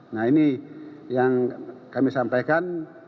nah ini yang kami sampaikan